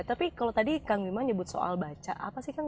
tapi kalau tadi kang bima nyebut soal baca apa sih kang